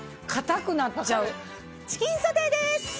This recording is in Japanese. チキンソテーです！